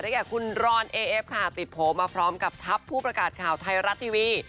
แก่คุณรอนเอเอฟค่ะติดโผล่มาพร้อมกับทัพผู้ประกาศข่าวไทยรัฐทีวี